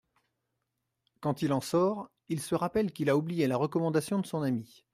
Quand il en sort, il se rappelle qu'il a oublié la recommandation de son ami.